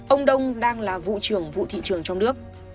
ông đông đang là vụ trưởng vụ thị trường trong nước